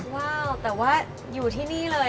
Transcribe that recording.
ว้าวแต่ว่าอยู่ที่นี่เลย